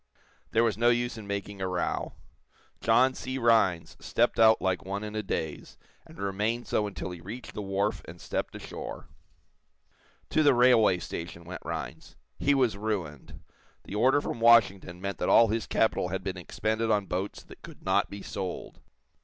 There was no use in making a row. John C. Rhinds stepped out like one in a daze, and remained so until he reached the wharf and stepped ashore. To the railway station went Rhinds. He was ruined. The order from Washington meant that all his capital had been expended on boats that could not be sold.